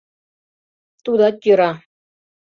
— Тудат йӧра.